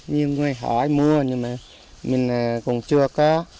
nhiều người hỏi mua nhưng mà mình cũng chưa có